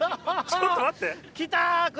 ちょっと待って。